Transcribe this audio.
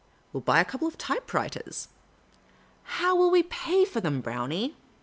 We '11 buy a couple of typewriters." " How can we pay for them, Brownie ?